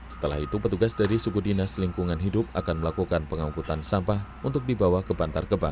setelah itu petugas dari suku dinas lingkungan hidup akan melakukan pengangkutan sampah untuk dibawa ke bantar gebang